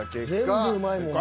全部うまいもん。